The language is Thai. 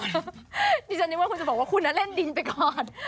นี่ฉันนึกว่าคุณจะบอกว่าคุณเล่นดินไปก่อน